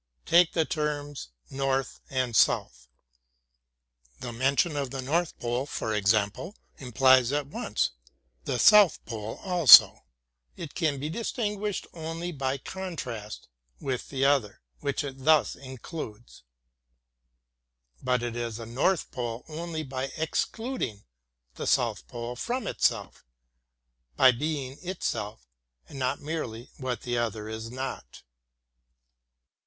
Take the terms "north" and '' south. '' The mention of the north pole, for example, im plies at once the south pole also ; it can be distinguished only by contrast with the other, which it thus includes. But it is a north pole only by excluding the south pole from itself HEGEL 11 — by being itself and not merely what the other is not.